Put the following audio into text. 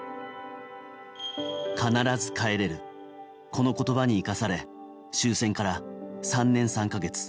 この言葉に生かされ終戦から３年３か月